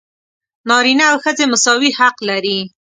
نارینه او ښځې مساوي حق لري.